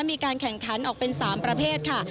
มีการแข่งขันออกเป็น๓ประเภทค่ะ